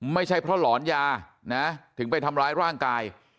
ไม่ใช่เพราะหลอนยานะถึงไปทำร้ายร่างกาย